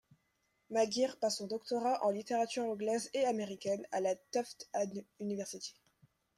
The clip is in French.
Maguire passe son doctorat en littérature anglaise et américaine à la Tufts University.